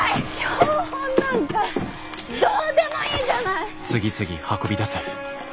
標本なんかどうでもいいじゃない！